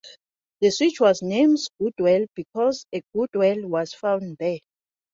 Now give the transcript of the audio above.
The switch was named Goodwell because a "good well" was found there.